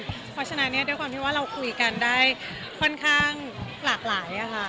เพราะฉะนั้นด้วยความที่ว่าเราคุยกันได้ค่อนข้างหลากหลายค่ะ